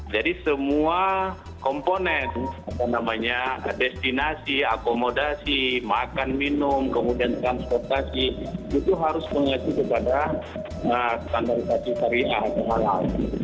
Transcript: jadi semua komponen apa namanya destinasi akomodasi makan minum kemudian transportasi itu harus mengaku kepada standarisasi pariwisata halal